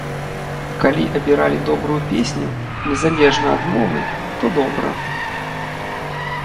Калі абіралі добрую песню, незалежна ад мовы, то добра.